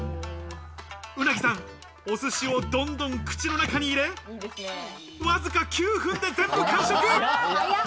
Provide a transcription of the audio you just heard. ウナギさん、お寿司をどんどん口の中に入れ、わずか９分で全部完食！